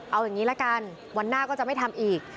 เอาอย่างนี้ละกันวันหน้าก็จะไม่ทำอีก